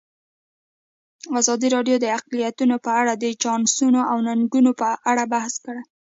ازادي راډیو د اقلیتونه په اړه د چانسونو او ننګونو په اړه بحث کړی.